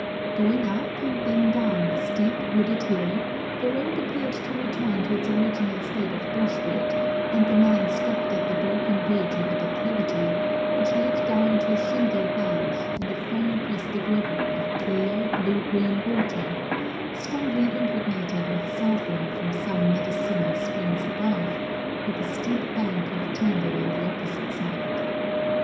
Going up and then down a steep, wooded hill, the road appeared to return to its original state of brushwood, and the men stopped at the broken edge of a declivity which led down to a shingle bank and a foam crested river of clear, blue green water, strongly impregnated with sulphur from some medicinal springs above, with a steep bank of tangle on the opposite side.